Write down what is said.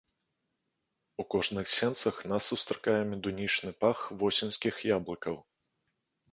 У кожных сенцах нас сустракае медунічны пах восеньскіх яблыкаў.